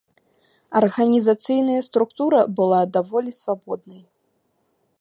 Арганізацыйная структура была даволі свабоднай.